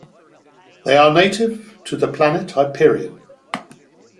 They are native to the planet Hyperion.